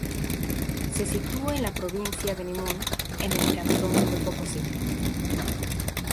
Se sitúa en la provincia de Limón, en el cantón de Pococí.